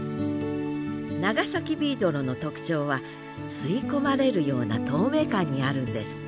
長崎ビードロの特徴は吸い込まれるような透明感にあるんです